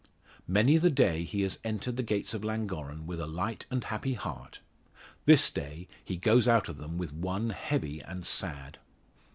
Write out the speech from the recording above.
Many the day he has entered the gates of Llangorren with a light and happy heart this day he goes out of them with one heavy and sad.